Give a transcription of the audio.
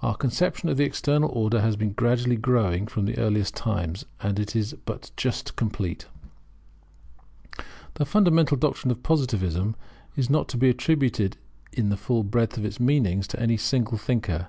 [Our conception of this External Order has been gradually growing from the earliest times, and is but just complete] This fundamental doctrine of Positivism is not to be attributed in the full breadth of its meanings to any single thinker.